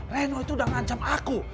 reno itu udah ngancam aku